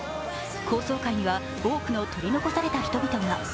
高層階には多くの取り残された人々が。